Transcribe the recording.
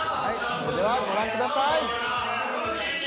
それではご覧ください